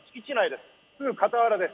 すぐ傍らです。